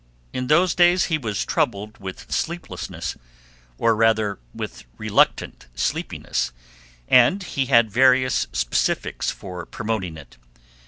In those days he was troubled with sleeplessness, or, rather, with reluctant sleepiness, and he had various specifics for promoting it.